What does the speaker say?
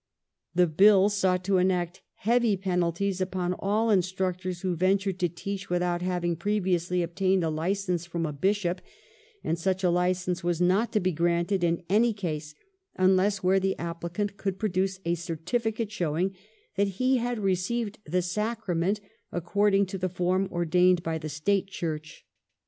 The Bill sought to enact heavy penalties upon all instructors who ventured to teach without having previously obtained a licence from a Bishop, and such a licence was not to be granted in any case unless where the applicant could produce a certificate showing that he had received the Sacrament accord ing to the form ordained by the State Church.